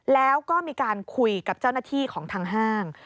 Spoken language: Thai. แล้วก็มีการคุยกับเจ้าหน้าที่ของทางห้าง